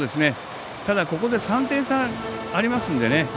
ただ、ここで３点差ありますのでね。